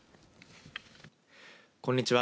こんにちは。